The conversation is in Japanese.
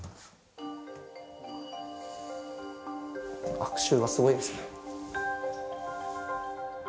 悪臭がすごいですね。